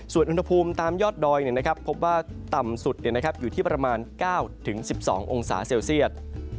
ส่วนอุณหภูมิตามยอดดอยพบว่าต่ำสุดอยู่ที่ประมาณ๙๑๒องศาเซลเซียต